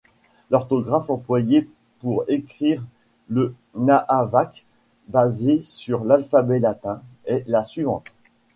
L’orthographe employée pour écrire le nahavaq, basée sur l’alphabet latin, est la suivante.